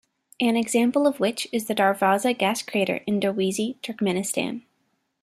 An example of which is the Darvaza gas crater in Derweze Turkmenistan.